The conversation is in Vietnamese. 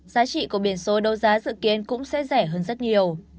giá trị của biển số đấu giá dự kiến cũng sẽ rẻ hơn rất nhiều